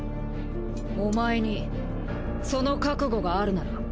お前にその覚悟があるなら。